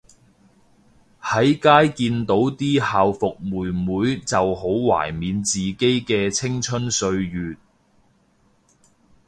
喺街見到啲校服妹妹就好懷緬自己嘅青春歲月